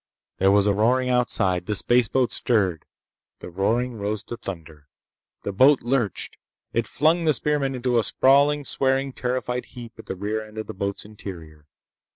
There was a roaring outside. The spaceboat stirred. The roaring rose to thunder. The boat lurched. It flung the spearmen into a sprawling, swearing, terrified heap at the rear end of the boat's interior.